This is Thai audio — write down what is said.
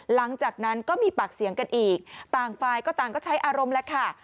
หลังจากนั้นก็มีปากเสียงกันอีกต่างฝ่ายก็ต่างก็ใช้อารมณ์แล้วค่ะ